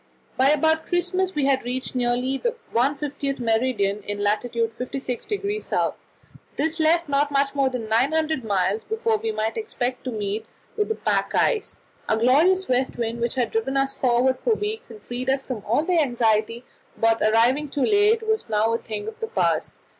By about Christmas we had reached nearly the 150th meridian in lat. 56° S. This left not much more than 900 miles before we might expect to meet with the pack ice. Our glorious west wind, which had driven us forward for weeks, and freed us from all anxiety about arriving too late, was now a thing of the past.